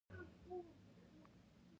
او د هندوانو انقلابي عناصر هم د ځان کړي.